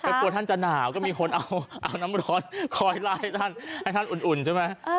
ก็กลัวท่านจะหนาวก็มีคนเอาน้ำร้อนคอยไล่ท่านให้ท่านอุ่นใช่ไหม